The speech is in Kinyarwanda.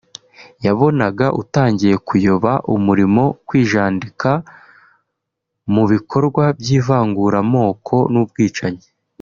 yabonaga utangiye kuyoba urimo kwijandika mu bikorwa by’ivanguramoko n’ubwicanyi